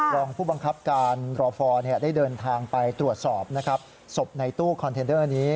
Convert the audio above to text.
รองผู้บังคับการรอฟอร์ได้เดินทางไปตรวจสอบนะครับศพในตู้คอนเทนเดอร์นี้